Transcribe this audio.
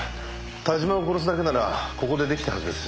田島を殺すだけならここで出来たはずです。